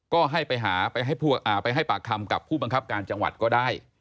ก็ให้ไปหาไปให้ปากคำกับผู้บังคับการจังหวัดก็ได้